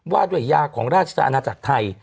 ว่าด้วยยาของราชอาณาจักรไทย